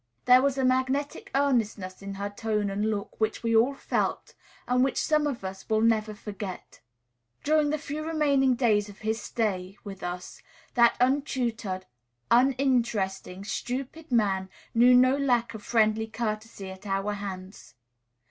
There was a magnetic earnestness in her tone and look, which we all felt, and which some of us will never forget. During the few remaining days of his stay with us, that untutored, uninteresting, stupid man knew no lack of friendly courtesy at our hands.